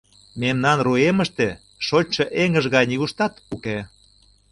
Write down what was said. Мемнан руэмыште шочшо эҥыж гай нигуштат уке.